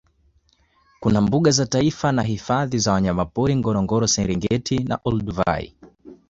Kuna mbuga za taifa na hifadhi za wanyamapori Ngorongoro Serengeti na Olduvai